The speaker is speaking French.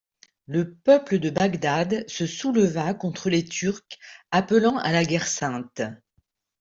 Le peuple de Bagdad se souleva contre les Turcs appelant à la guerre sainte.